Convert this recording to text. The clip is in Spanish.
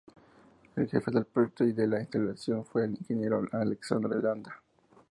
El jefe del proyecto y de la instalación fue el ingeniero Alexandr Landa.